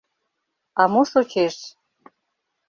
А мо шочеш?..